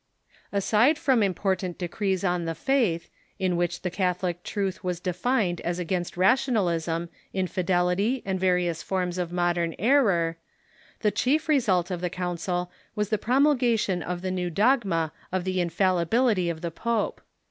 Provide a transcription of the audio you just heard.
Aside from important decrees on the faith, in which the Catholic truth w^as defined as against rationalism, infidelity, and various forms of modern error, the chief result of the council was the promulgation of the new dog ma of the infallibility of the pope.